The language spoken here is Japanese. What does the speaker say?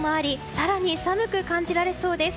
更に寒く感じられそうです。